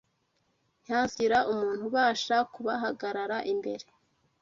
Ntihazagira umuntu ubasha kubahagarara imbere